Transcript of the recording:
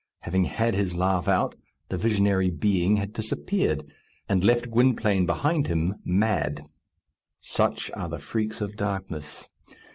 Having had his laugh out, the visionary being had disappeared, and left Gwynplaine behind him, mad. Such are the freaks of darkness.